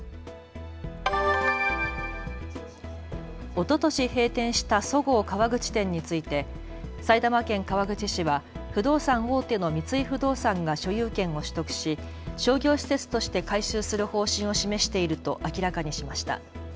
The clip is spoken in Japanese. おととし閉店したそごう川口店について埼玉県川口市は不動産大手の三井不動産が所有権を取得し商業施設として改修する方針を示していると明らかにしました。